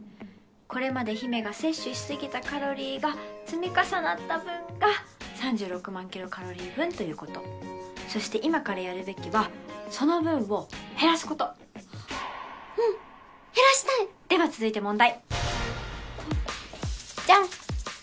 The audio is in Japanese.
これまで陽芽が摂取しすぎたカロリーが積み重なった分が３６万ｋｃａｌ分ということそして今からやるべきはその分を減らすことうん減らしたいでは続いて問題じゃん！